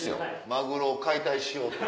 マグロを解体しようと。